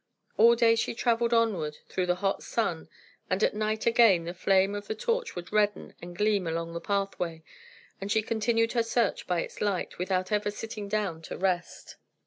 All day she travelled onward through the hot sun; and at night, again, the flame of the torch would redden and gleam along the pathway, and she continued her search by its light, without ever sitting down to rest.